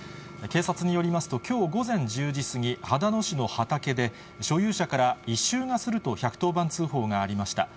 警察によりますと、きょう午前１０時過ぎ、秦野市の畑で、所有者から異臭がすると１１０番通報がありました。